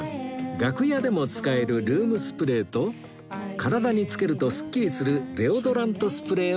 楽屋でも使えるルームスプレーと体につけるとすっきりするデオドラントスプレーをお買い上げ